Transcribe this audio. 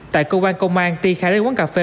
tại công an công an ti khai lấy quán cà phê